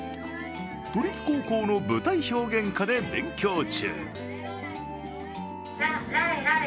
都立高校の舞台表現科で勉強中。